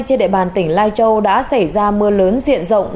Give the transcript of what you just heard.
trên địa bàn tỉnh lai châu đã xảy ra mưa lớn diện rộng